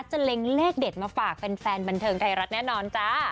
เล็งเลขเด็ดมาฝากแฟนบันเทิงไทยรัฐแน่นอนจ้า